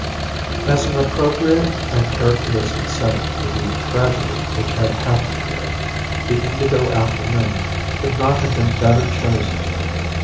As an appropriate and characteristic setting for the tragedy which had happened here, the indigo afternoon could not have been better chosen.